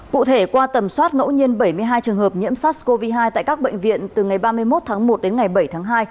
cụ thể qua tầm soát ngẫu nhiên bảy mươi hai trường hợp nhiễm sars cov hai tại các bệnh viện từ ngày ba mươi một tháng một đến ngày bảy tháng hai